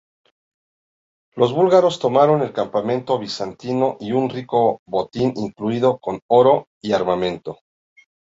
Los búlgaros tomaron el campamento bizantino y un rico botín incluido oro y armamento.